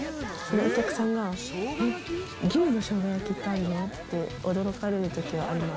お客さんが牛のしょうが焼きってあるのって驚かれる時はあります。